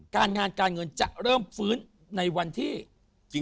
การงานการเงินจะเริ่มฟื้นในวันที่